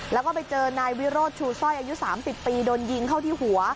แล้วก็ไปเจอนายวิโรธชูสร้อยอายุ๓๐ปีโดนยิงเข้าที่หัว